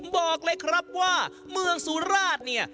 บอกเลยครับว่าเมืองสุราชเนี่ย